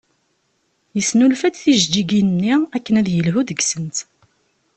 Yesnulfa-d tijeǧǧigin-nni akken ad yelhu deg-sent.